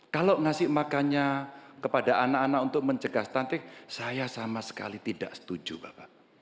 kalau ngasih makannya kepada anak anak untuk mencegah stunting saya sama sekali tidak setuju bapak